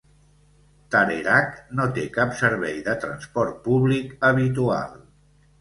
Tarerac no té cap servei de transport públic habitual.